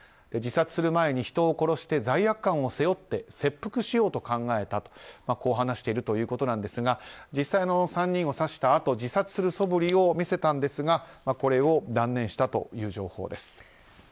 自殺する前に人を殺して罪悪感を背負って切腹しようと考えたと話しているということですが実際、３人を刺したあと自殺するそぶりを見せたんですがこれを断念したという情報です。